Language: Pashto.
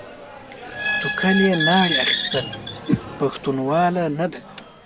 توکلې ناړې اخيستل؛ پښتنواله نه ده.